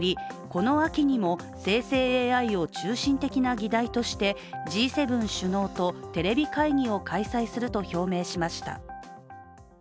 この秋にも生成ＡＩを中心的な議題としてＧ７首脳とテレビ会議を開催すると表明しました。